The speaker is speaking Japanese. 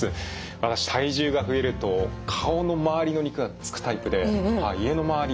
私体重が増えると顔の周りの肉がつくタイプで家の周り